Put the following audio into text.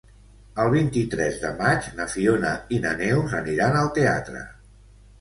El vint-i-tres de maig na Fiona i na Neus aniran al teatre.